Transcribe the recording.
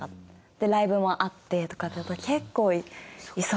でライブもあってとかって。